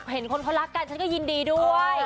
เห็นคนเขารักกันฉันก็ยินดีด้วย